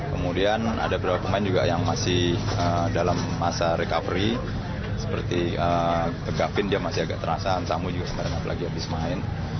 kemudian ada beberapa pemain juga yang masih dalam masa recovery sepertigavin dia masih agak terasa hansamu juga sekarang apalagi habis main